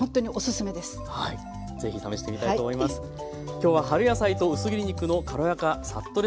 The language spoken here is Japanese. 今日は「春野菜と薄切り肉の軽やかサッとレシピ」